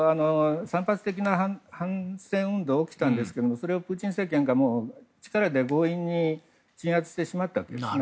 散発的な反戦運動は起きたんですけどそれをプーチン政権が力で強引に鎮圧してしまったんですね。